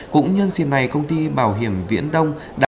cũng nhân xin này công ty bảo hiểm viễn đông đã